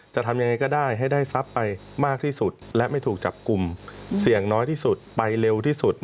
จะทำอย่างไรก็ได้ให้ได้ทรัพย์ไปมากที่สุด